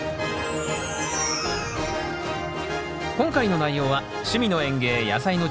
今回の内容は「趣味の園芸やさいの時間」